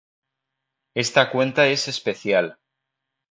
Esta cuenta es especial,